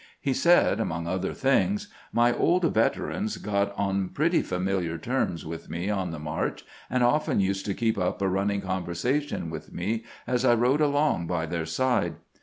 He said, among other things: "My old veterans got on pretty familiar terms with me on the march, and often used to keep up a running conversation with me as I rode along by their side.